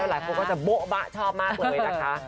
หลายคนก็จะโบ๊ะบะชอบมากเลยนะคะ